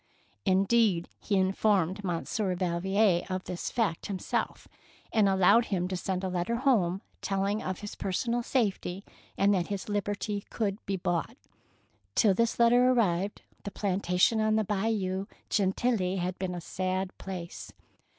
Indeed, he informed Monsieur Val vier of this fact himself, and allowed him to send a letter home telling of his personal safety, and that his liberty could be bought. Till this letter ar rived the plantation on the Bayou Gentilly had been a sad place.